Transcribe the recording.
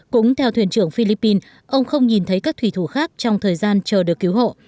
cũng theo thuyền trưởng philippines ông không nhìn thấy các thủy thủ khác trong thời gian chờ được cứu hộ